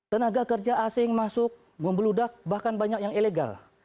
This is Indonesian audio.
tenaga kerja asing masuk membeludak bahkan banyak yang ilegal